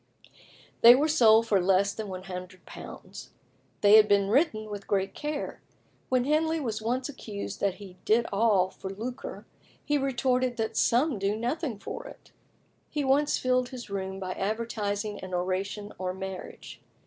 They were sold for less than £100. They had been written with great care. When Henley was once accused that he did all for lucre, he retorted "that some do nothing for it." He once filled his room by advertising an oration on marriage.